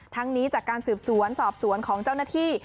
ทั้งนี้จากการสืบสวนสอบสวนของเจ้าหน้าที่